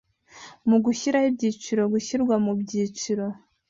mu gushyiraho ibyiciro gushyirwa mu byiciro